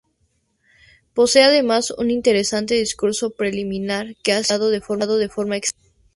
Posee además un interesante "Discurso preliminar", que ha sido editado de forma exenta.